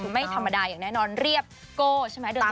มันไม่ธรรมดายแน่นอนเรียบโก้ใช่ไหม